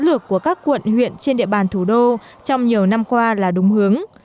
lược của các quận huyện trên địa bàn thủ đô trong nhiều năm qua là đúng hướng